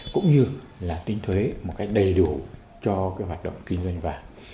cũng như là tín thuế một cách đầy đủ cho cái hoạt động kinh doanh vàng